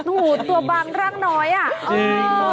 โอ้โหตัวบางร่างน้อยอ่ะจริงมาก